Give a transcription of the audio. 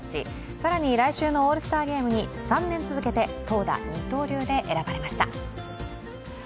更に来週のオールスターゲームに３年続けて投打二刀流で選ばれました。